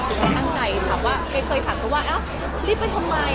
แล้วตังใจถามว่าเคยถามตัวว่าแตกกายปสมชัยไหน